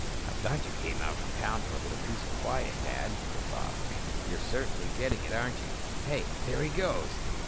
"I thought you came out from town for a little peace and quiet, Dad," said Bob. "You're certainly getting it, aren't you? Hey. There he goes."